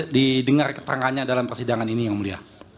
dedengar ketangkanya dalam persidangan ini yang mulya